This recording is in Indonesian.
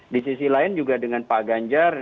di sisi lain juga dengan pak ganjar